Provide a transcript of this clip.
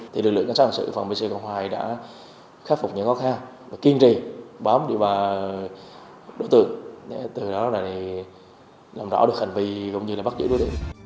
thì lực lượng cán sát hành sự phòng bnc cộng hòa đã khắc phục những khó khăn kiên trì bám địa bà đối tượng từ đó là làm rõ được hành vi cũng như là bắt giữ đối tượng